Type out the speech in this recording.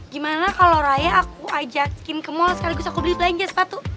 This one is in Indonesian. gimana kalau raya aku ajakin ke mall sekaligus aku beli belanja sepatu